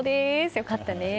良かったね。